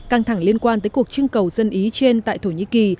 căng thẳng liên quan tới cuộc trưng cầu dân ý trên tại thổ nhĩ kỳ